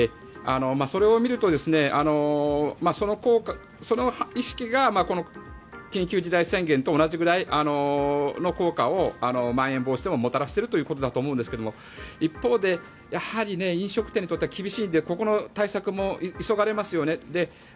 それを見るとその意識が緊急事態宣言と同じぐらいの効果をまん延防止でももたらしているということだと思いますが一方でやはり飲食店にとっては厳しいので、ここの対策も急がれますよね。